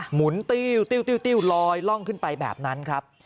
หุนติ้วติ้วลอยร่องขึ้นไปแบบนั้นครับ